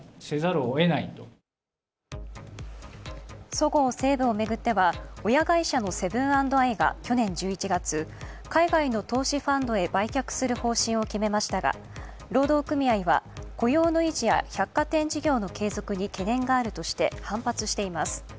そごう・西武を巡っては、親会社のセブン＆アイが去年１１月海外の投資ファンドへ売却する方針を決めましたが労働組合は雇用の維持や百貨店事業の継続に懸念があるとして反発しています。